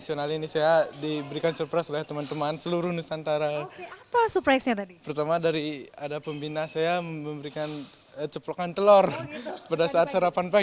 inilah dia tampilan baru para calon anggota paski braka